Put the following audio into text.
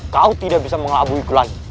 kau tidak bisa mengelabuiku lagi